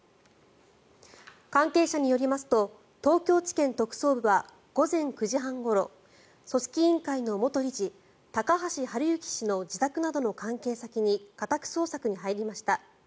関係者によりますと東京地検特捜部は午前９時半ごろ組織委員会の元理事高橋治之氏の自宅などの関係先に家宅捜索に入りました。